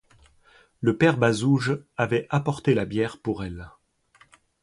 Le père Bazouge avait apporté la bière pour elle.